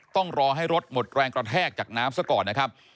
ต้องรอให้รถหมดแรงกระแทกจากน้ำซะก่อนนะครับ